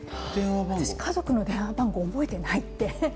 私、家族の電話番号覚えてない